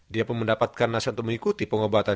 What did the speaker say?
dia pun mendapatkan nasib untuk mengikuti pengobatan